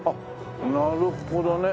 なるほどね。